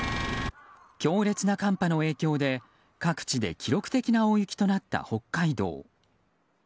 強烈な寒波の影響で各地で記録的な大雪となった北海道。